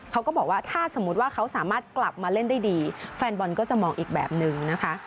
เขาก็บอกว่าถ้าสมมุติว่าเขาสามารถกลับมาเล่นได้ดีแฟนบอลก็จะมองอีกแบบนึงนะคะ